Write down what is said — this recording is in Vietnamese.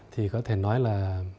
thì có thể nói là